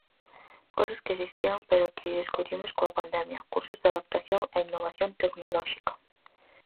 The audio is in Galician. Cousas que existían pero que descubrimos coa pandemia: cursos de adaptación e innovación tecnolóxica.